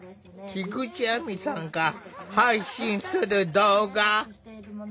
菊地亜美さんが配信する動画。